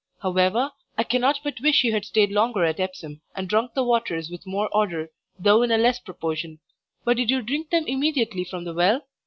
However, I cannot but wish you had stayed longer at Epsom and drunk the waters with more order though in a less proportion. But did you drink them immediately from the well?